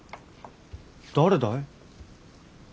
誰だい？